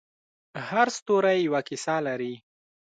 هر ستوری یوه کیسه لري.